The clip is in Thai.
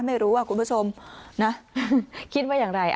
ไม่รู้คุณผู้ชมคิดว่าอย่างไร